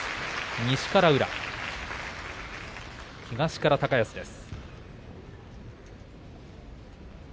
西から宇良、東から高安です。